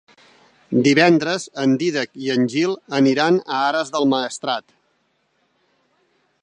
Divendres en Dídac i en Gil aniran a Ares del Maestrat.